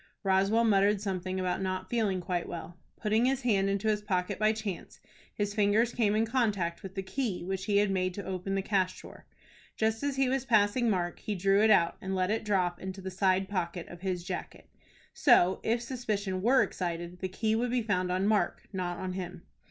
Roswell muttered something about not feeling quite well. Putting his hand into his pocket by chance, his fingers came in contact with the key which he had made to open the cash drawer. Just as he was passing Mark, he drew it out and let it drop into the side pocket of his jacket. So, if suspicion were excited, the key would be found on Mark, not on him.